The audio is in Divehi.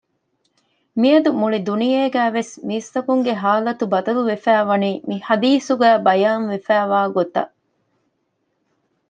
މިއަދު މުޅި ދުނިޔޭގައިވެސް މީސްތަކުންގެ ޙާލަތު ބަދަލުވެފައިވަނީ މި ޙަދީޘުގައި ބަޔާން ވެފައިވާ ގޮތަށް